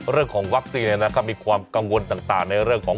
เรื่องของวัคซีนมีความกังวลต่างในเรื่องของ